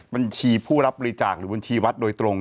บัญชีผู้รับบริจาคหรือบัญชีวัดโดยตรง